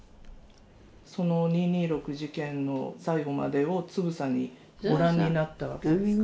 その二・二六事件の最後までをつぶさにご覧になったわけですか？